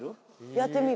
やってみる。